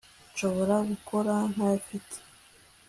nshobora gukora ntayifite